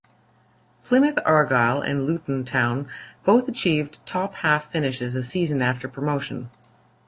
Plymouth Argyle and Luton Town both achieved top half finishes a season after promotion.